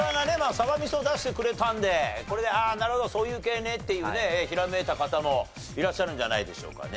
サバ味噌出してくれたんでこれでああなるほどそういう系ねっていうねひらめいた方もいらっしゃるんじゃないでしょうかね？